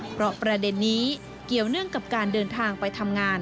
เพราะประเด็นนี้เกี่ยวเนื่องกับการเดินทางไปทำงาน